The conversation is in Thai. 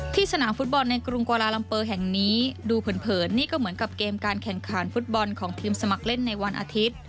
สนามฟุตบอลในกรุงกวาลาลัมเปอร์แห่งนี้ดูเผินนี่ก็เหมือนกับเกมการแข่งขันฟุตบอลของทีมสมัครเล่นในวันอาทิตย์